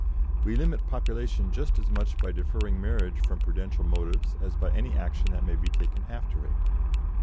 We limit population just as much by deferring marriage from prudential motives as by any action that may be taken after it....